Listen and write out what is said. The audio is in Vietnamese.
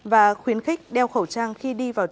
và khuyến khích đeo khẩu trang khi đi vào